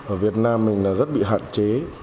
ở việt nam mình là rất bị hạn chế